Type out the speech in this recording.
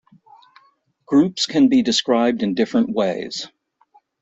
Groups can be described in different ways.